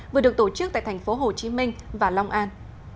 vừa được tổ chức tại thành phố hồ chí minh và long an